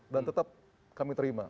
dan tetap kami terima